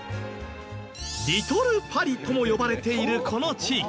リトルパリとも呼ばれているこの地域。